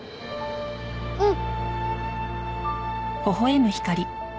うん！